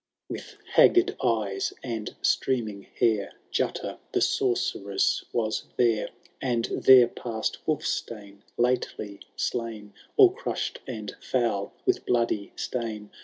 X. ^ With haggard eyes and streaming hair, Jutta the Sorceress was there. And there passed Wul&tane, lately slain. All crushed and foul with bloody stain.